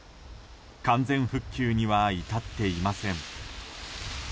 完全復旧には至っていません。